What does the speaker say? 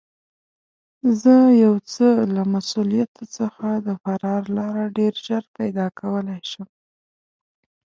زه یو څه له مسوولیته څخه د فرار لاره ډېر ژر پیدا کولای شم.